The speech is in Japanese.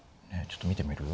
ちょっと見てみる？